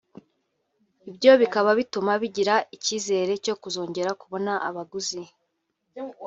ibyo bikaba bituma bagira icyizere cyo kuzongera kubona abaguzi